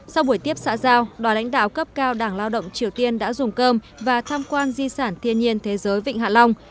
sau buổi tiếp xã giao đoàn lãnh đạo cấp cao đảng lao động triều tiên đã dùng cơm và tham quan di sản thiên nhiên thế giới vịnh hạ long